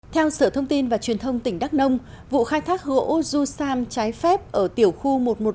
theo sở thông tin và truyền thông tỉnh đắk nông vụ khai thác gỗ du xam trái phép ở tiểu khu một nghìn một trăm ba mươi ba